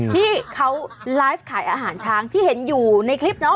ที่เขาไลฟ์ขายอาหารช้างที่เห็นอยู่ในคลิปเนาะ